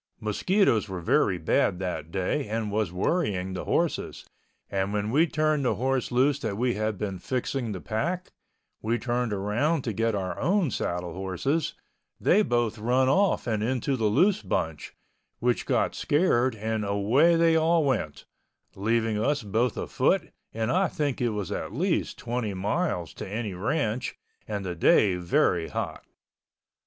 Mosquitoes were very bad that day and was worrying the horses, and when we turned the horse loose that we had been fixing the pack, we turned around to get on our saddle horses—they both run off and into the loose bunch, which got scared and away they all went, leaving us both afoot and I think it was at least 20 miles to any ranch and the day very hot.